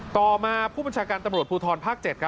ต่อมาผู้ปัญชาการปุถรภูตรภาค๗